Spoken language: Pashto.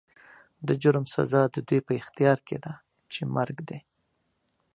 د جرم سزا هم د دوی په اختيار کې ده چې مرګ دی.